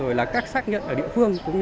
rồi là các xác nhận